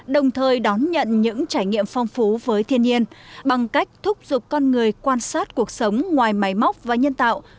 đồng thời đón nhận những trải nghiệm phong phú với thiên nhiên bằng cách thúc giục con người quan sát cuộc sống ngoài máy móc và nhân tạo